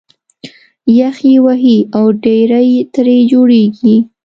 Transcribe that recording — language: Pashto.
یخ یې وهي او ډېرۍ ترې جوړېږي